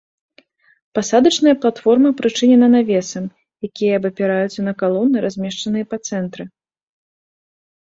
Пасадачная платформа прычынена навесам, якія абапіраюцца на калоны, размешчаныя па цэнтры.